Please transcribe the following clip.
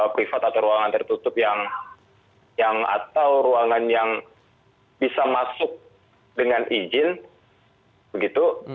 privat atau ruangan tertutup yang atau ruangan yang bisa masuk dengan izin begitu